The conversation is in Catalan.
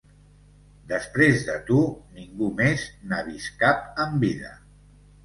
Després de tu, ningú més n'ha vist cap en vida.